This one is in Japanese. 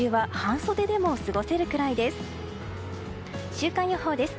週間予報です。